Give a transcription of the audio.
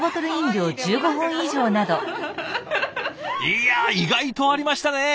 いや意外とありましたね！